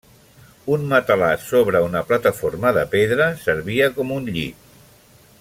Un matalàs sobre una plataforma de pedra servia com un llit.